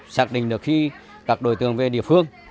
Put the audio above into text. xác định được khi các đối tượng về địa phương